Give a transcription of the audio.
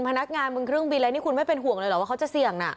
พนักงานมึงเครื่องบินอะไรนี่คุณไม่เป็นห่วงเลยเหรอว่าเขาจะเสี่ยงน่ะ